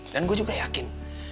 dan gue juga yakin